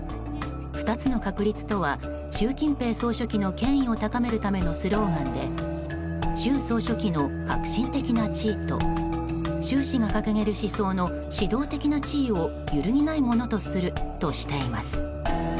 ２つの確立とは習近平総書記の権威を高めるためのスローガンで習総書記の核心的な地位と習氏が掲げる思想の指導的な地位を揺るぎないものとするとしています。